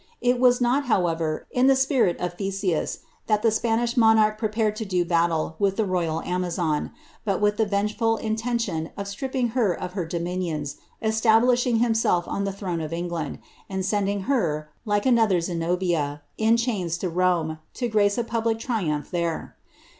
It was not, however, in the spirit of Theseus, that the Spanish monarch prepared to do battle with the royal amazon, but with the vengeful intention of stripping her of her dMoiiiiom^ establishing himself on the throne of England, and sending her, like another Zenobia, in chains to Rente, to grace a public triumph there.